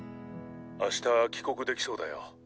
明日帰国できそうだよ。